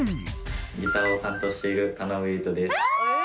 ギターを担当している田上悠斗ですえ